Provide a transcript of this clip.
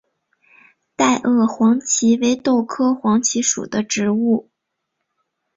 袋萼黄耆为豆科黄芪属的植物。